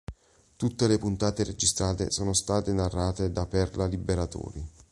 Tutte le puntate registrate sono state narrate da Perla Liberatori.